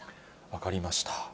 分かりました。